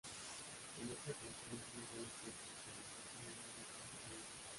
En esa ocasión, llegó a los cuartos de final, obteniendo diploma olímpico.